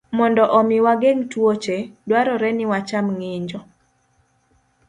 Mondo omi wageng' tuoche, dwarore ni wacham ng'injo